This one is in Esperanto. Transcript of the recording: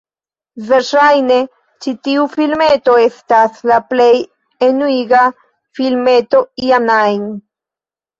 Verŝajne, ĉi tiu filmeto estas la plej enuiga filmeto iam ajn.